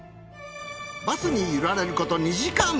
バスに揺られること２時間。